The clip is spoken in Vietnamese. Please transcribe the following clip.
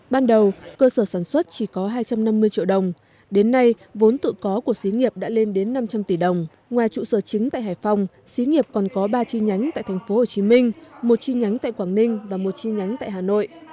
ban đầu cơ sở sản xuất chỉ có hai trăm năm mươi triệu đồng đến nay vốn tự có của xí nghiệp đã lên đến năm trăm linh tỷ đồng ngoài trụ sở chính tại hải phòng xí nghiệp còn có ba chi nhánh tại tp hcm một chi nhánh tại quảng ninh và một chi nhánh tại hà nội